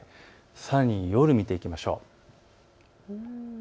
さらに夜、見ていきましょう。